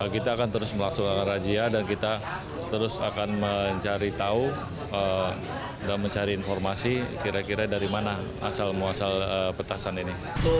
kita akan terus melaksanakan rajia dan kita terus akan mencari tahu dan mencari informasi kira kira dari mana asal muasal petasan ini